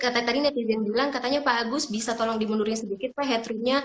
tadi netizen bilang katanya pak agus bisa tolong dimundurin sedikit pak headroomnya